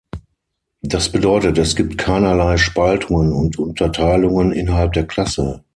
Das bedeutet, es gibt keinerlei Spaltungen und Unterteilungen innerhalb der Klasse.